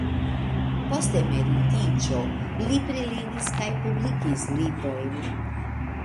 Post emeritiĝo li prelegis kaj publikis librojn.